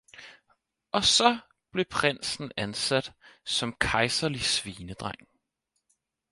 Og saa blev Prindsen ansat, som keiserlig Svinedreng.